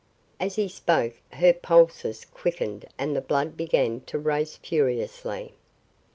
As he spoke, her pulses quickened and the blood began to race furiously.